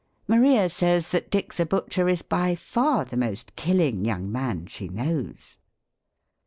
" Maria says, that Dick the butcher is by far the most killing young man she knows."